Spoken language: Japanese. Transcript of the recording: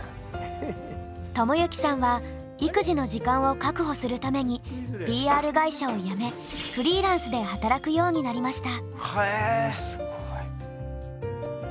知之さんは育児の時間を確保するためにＰＲ会社を辞めフリーランスで働くようになりました。